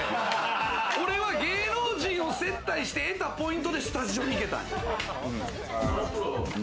俺は芸能人を接待して得たポイントでスタジオに行けたんや。